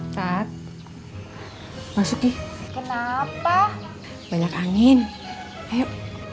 tak masuk di kenapa banyak angin ayo